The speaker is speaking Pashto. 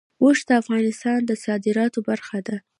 اوښ د افغانستان د صادراتو برخه ده.